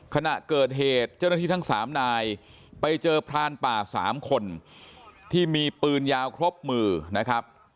ขณะเกิดเหตุเจ้าหน้าที่ทั้ง๓นายไปเจอพรานป่า๓คนที่มีปืนยาวครบมือนะครับ